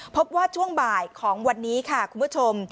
พบว่าช่วงบ่ายของวันนี้ค่ะคุณผู้ชม